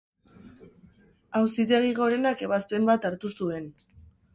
Auzitegi gorenak ebazpen bat hartu zuen.